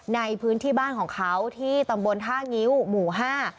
ในพื้นที่บ้านของเขาที่ตำบลท่างิ้วหมู่ห้า